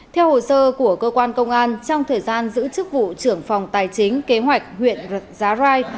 theo hồ sơ của cơ quan công an trong thời gian giữ chức vụ trưởng phòng tài chính kế hoạch huyện giá rai